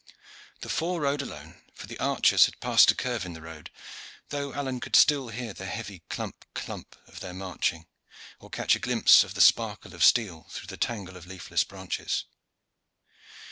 The four rode alone, for the archers had passed a curve in the road, though Alleyne could still hear the heavy clump, clump of their marching, or catch a glimpse of the sparkle of steel through the tangle of leafless branches.